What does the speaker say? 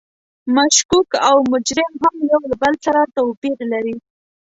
مشکوک او مجرم هم یو له بل سره توپیر لري.